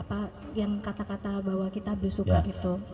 apa yang kata kata bahwa kita bersuka gitu